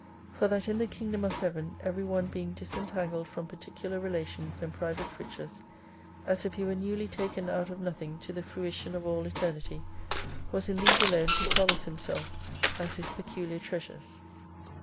For that in the Kingdom of Heaven evei y one being disentangled from particular relations and private riches, as if he were newly taken out of nothing to the fruition of all Eternity, was in these alone to solace himself as his peculiar treasures.